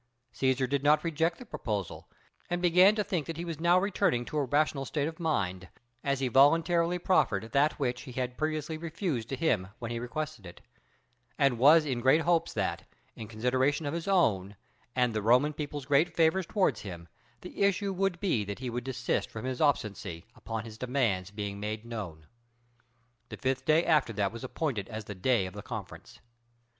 Cæsar did not reject the proposal, and began to think that he was now returning to a rational state of mind, as he voluntarily proffered that which he had previously refused to him when he requested it; and was in great hopes that, in consideration of his own and the Roman people's great favors towards him, the issue would be that he would desist from his obstinacy upon his demands being made known. The fifth day after that was appointed as the day of conference.